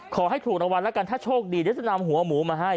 ขอให้ถูกรางวัลแล้วกันถ้าโชคดีเดี๋ยวจะนำหัวหมูมาให้